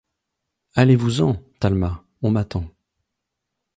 Allez-vous-en, Talma ; on m'attend.